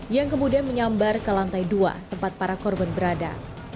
yang kemudian menyambar ke lantai dua tempat para korban berada